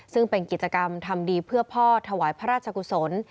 ซึ่งเป็นกิจกรรมทำดีเพื่อพ่อถวายพระราชกุศล